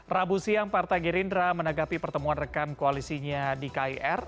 rabu siang partai gerindra menanggapi pertemuan rekan koalisinya di kir